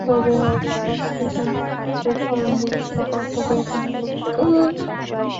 তবে আগের পাঁচটি টুর্নামেন্টের সঙ্গে একটা পার্থক্য এখনই বলে দেওয়া যাচ্ছে।